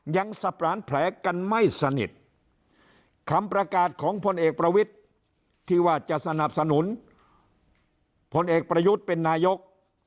ยังสะปรานแผลกันไม่สนิทคำประกาศของพลเอกประวิทธิ์ที่ว่าจะสนับสนุนพลเอกประยุทธ์เป็นนายก